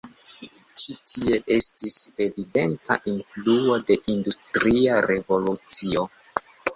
Ĉi tie estis evidenta influo de industria revolucio.